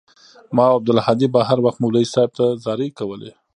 ما او عبدالهادي به هروخت مولوى صاحب ته زارۍ کولې.